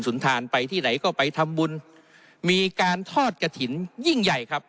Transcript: นทานไปที่ไหนก็ไปทำบุญมีการทอดกระถิ่นยิ่งใหญ่ครับ